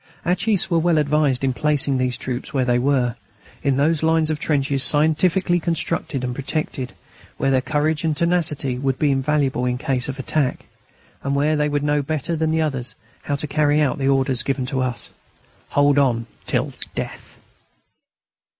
Our chiefs were well advised in placing these troops where they were, in those lines of trenches scientifically constructed and protected, where their courage and tenacity would be invaluable in case of attack, and where they would know better than any others how to carry out the orders given to us: "Hold on till death."